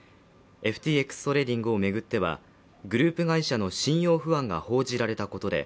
ＦＴＸトレーディングを巡ってはグループ会社の信用不安が報じられたことで